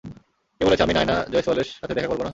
কে বলেছে আমি নায়না জয়সওয়ালের সাথে দেখা করবো না?